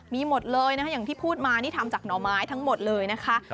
มีหมดเลยนะคะอย่างที่พูดมานี่ทำจากหน่อไม้ทั้งหมดเลยนะคะ